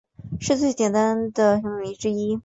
是最简单的烯醇醚之一。